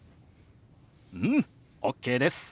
うん！ＯＫです。